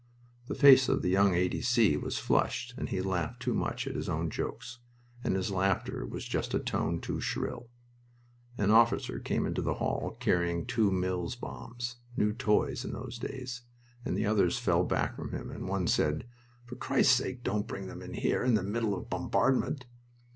The face of the young A. D. C. was flushed and he laughed too much at his own jokes, and his laughter was just a tone too shrill. An officer came into the hall, carrying two Mills bombs new toys in those days and the others fell back from him, and one said: "For Christ's sake don't bring them here in the middle of a bombardment!"